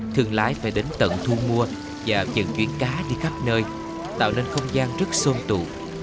thương lái phải đến tận thu mua và dần chuyển cá đi khắp nơi tạo nên không gian rất sôn tụ